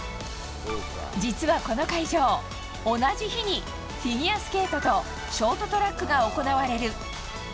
実はこの会場、同じ日にフィギュアスケートとショートトラックが行われる。